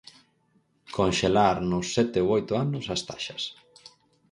Conxelar, nos sete ou oito anos, as taxas.